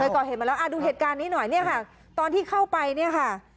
ก่อเหตุมาแล้วอ่าดูเหตุการณ์นี้หน่อยเนี่ยค่ะตอนที่เข้าไปเนี่ยค่ะ